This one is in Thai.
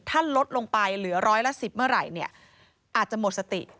ถ้าลดลงไปเหลือร้อยละ๑๐เมื่อไหร่เนี่ยอาจจะหมดสติ